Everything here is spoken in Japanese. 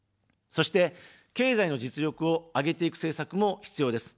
そして、経済の実力を上げていく政策も必要です。